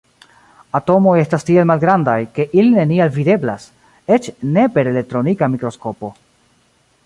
Atomoj estas tiel malgrandaj, ke ili neniel videblas, eĉ ne per elektronika mikroskopo.